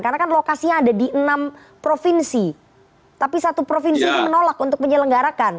karena kan lokasinya ada di enam provinsi tapi satu provinsi menolak untuk menyelenggarakan